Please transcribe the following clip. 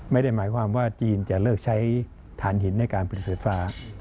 ไม่ได้หมายความว่าจีนจะเลิกใช้ฐานหินในการเป็นไฟฟ้า